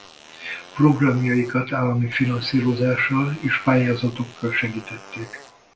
Programjaikat állami finanszírozással és pályázatokkal segítették.